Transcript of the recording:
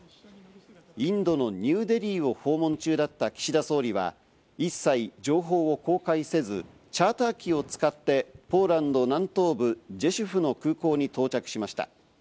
インドのニューデリーを訪問中だった岸田総理は一切情報を公開せず、チャーター機を使ってポーランド南東部、ジェシュフの空港に到着しました。